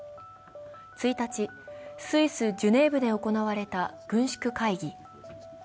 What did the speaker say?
１日、スイス・ジュネーブで行われた軍縮会議。